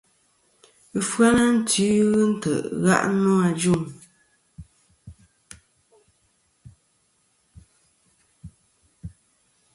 Ɨfyanatwi ghɨ ntè' gha' nô ajuŋ.